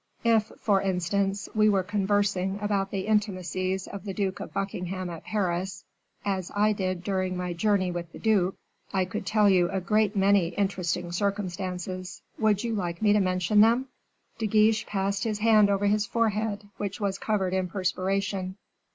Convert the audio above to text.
If, for instance, we were conversing about the intimacies of the Duke of Buckingham at Paris, as I did during my journey with the duke, I could tell you a great many interesting circumstances. Would you like me to mention them?" De Guiche passed his hand across his forehead, which was covered in perspiration.